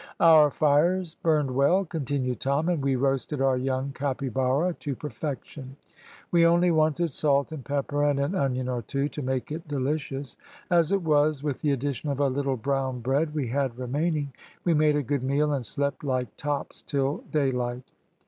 "Our fires burned well," continued Tom, "and we roasted our young capybara to perfection; we only wanted salt and pepper, and an onion or two to make it delicious. As it was, with the addition of a little brown bread we had remaining, we made a good meal, and slept like tops till daylight.